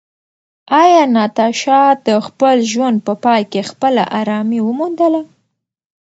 ایا ناتاشا د خپل ژوند په پای کې خپله ارامي وموندله؟